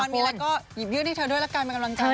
มีอะไรก็หยิบเยอะด้วยเธอด้วยละครเป็นกำลังใจ